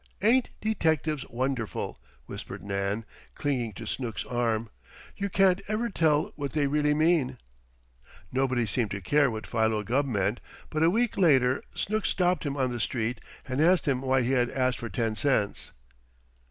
"Ain't detectives wonderful?" whispered Nan, clinging to Snooks's arm. "You can't ever tell what they really mean." Nobody seemed to care what Philo Gubb meant, but a week later Snooks stopped him on the street and asked him why he had asked for ten cents.